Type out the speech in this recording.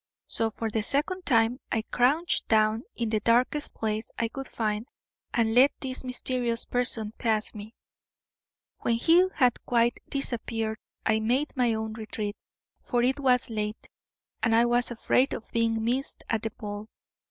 So, for the second time, I crouched down in the darkest place I could find and let this mysterious person pass me. When he had quite disappeared, I made my own retreat, for it was late, and I was afraid of being missed at the ball.